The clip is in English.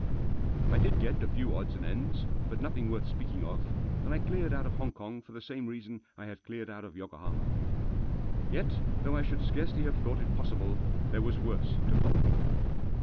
I did get a few odds and ends, but nothing worth speaking of, and I cleared out of Hong Kong for the same reason I had cleared out of Yokohama* Yet, though I should scarcely have thought it possible, there was worse to follow.